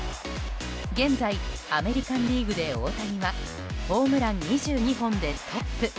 現在アメリカン・リーグで大谷はホームラン２２本でトップ。